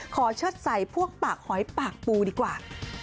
เชิดใส่พวกปากหอยปากปูดีกว่า